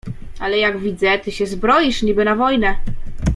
"Ale jak widzę, ty się zbroisz, niby na wojnę."